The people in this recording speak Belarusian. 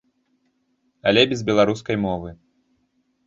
Але без беларускай мовы.